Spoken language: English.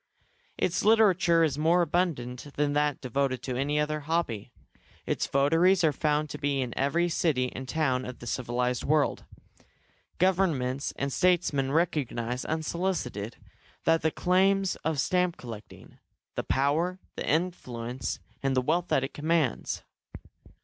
Its literature is more abundant than that devoted to any other hobby. Its votaries are to be found in every city and town of the civilised world. Governments and statesmen recognise, unsolicited, the claims of stamp collecting the power, the influence, and the wealth that it commands.